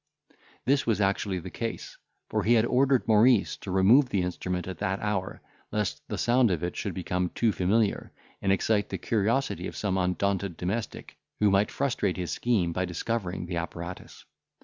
This was actually the case; for he had ordered Maurice to remove the instrument at that hour, lest the sound of it should become too familiar, and excite the curiosity of some undaunted domestic, who might frustrate his scheme by discovering the apparatus.